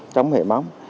trống hệ mắm